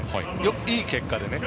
いい結果でね。